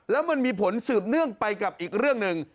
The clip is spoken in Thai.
แล้วมันมีผลสืบเนื่องไปกับอีกเรื่องหนึ่ง